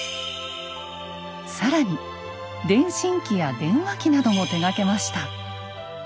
更に電信機や電話機なども手がけました。